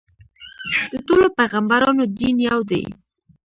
د ټولو پیغمبرانو دین یو دی.